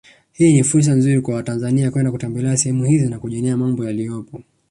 Hii ni fursa nzuri kwa watanzania kwenda kutembelea sehemu hizi na kujionea mambo yaliyopo